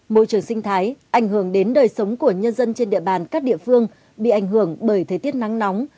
môi trường sinh thái ảnh hưởng đến đời sống của nhân dân trên địa bàn các địa phương bị ảnh hưởng bởi thời tiết nắng nóng